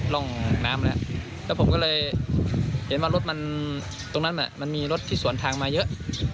แล้วผมก็เลยเห็นว่ารถมันตรงนั้นมันมีรถที่สวนทางมาเยอะ